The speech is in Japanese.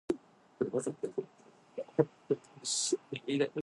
エリザベス女王杯に私の全てをかけて勝ちにいきます。